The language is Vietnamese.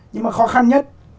nhưng mà khó khăn nhất